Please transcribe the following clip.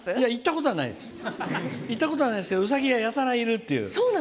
行ったことないけどウサギが、やたらいるという。